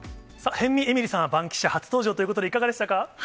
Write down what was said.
辺見えみりさんは、バンキシャ初登場ということで、いかがでしたか。